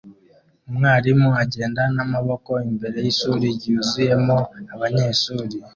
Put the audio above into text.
Umwarimu agenda n'amaboko imbere y'ishuri ryuzuyemo abanyeshuri